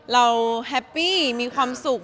แฮปปี้มีความสุข